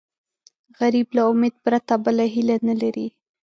غریب له امید پرته بله هیله نه لري